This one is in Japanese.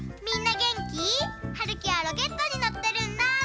みんなげんき？はるきはロケットにのってるんだ！